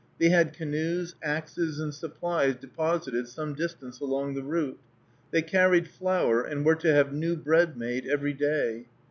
They had canoes, axes, and supplies deposited some distance along the route. They carried flour, and were to have new bread made every day.